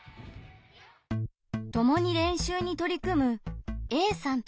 ともに練習に取り組むＡさんとＢさん。